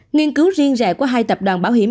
nghiên cứu riêng rệ của hai tập đoàn bảo hiểm